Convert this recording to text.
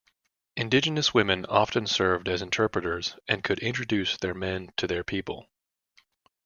Indigenous women often served as interpreters and could introduce their men to their people.